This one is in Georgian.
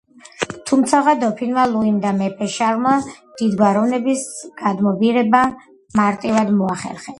თუმცაღა დოფინმა ლუიმ და მეფე შარლმა დიდგვაროვნების გადმობირება მარტივად მოახერხეს.